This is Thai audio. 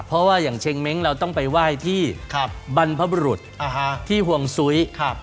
เพราะว่าอย่างเชงเม้งเราต้องไปไหว้ที่บรรพบรุษที่ห่วงซุ้ย